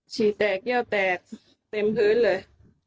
ชีแตกเยาว์แตกเต็มพื้นเลย